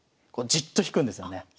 じっと引くんですよね。